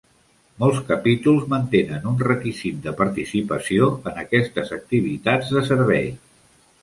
Molts capítols mantenen un requisit de participació en aquestes activitats de servei.